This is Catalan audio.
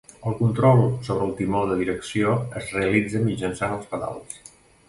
El control sobre el timó de direcció es realitza mitjançant els pedals.